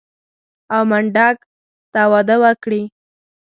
او منډک ته واده وکړي.